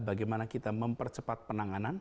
bagaimana kita mempercepat penanganan